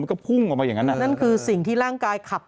ก็พุ่งออกมาอย่างนั้นอ่ะนั่นคือสิ่งที่ร่างกายขับ